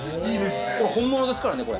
これ本物ですからね。